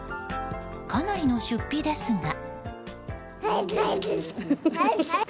かなりの出費ですが。